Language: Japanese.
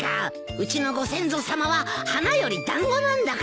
うちのご先祖さまは花より団子なんだから。